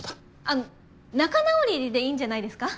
あ仲直りでいいんじゃないですか？